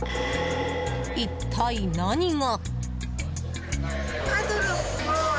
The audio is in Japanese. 一体、何が。